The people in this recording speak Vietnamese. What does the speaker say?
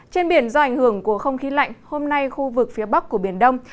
trên biển do ảnh hưởng của không khí lạnh hôm nay khu vực phía bắc của biển đông